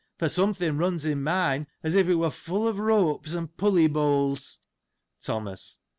For, something runs in mine, as if it were full of ropes and pulley bowls. Thomas.